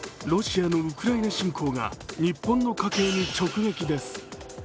ロシアのウクライナ侵攻が日本の家計に直撃です。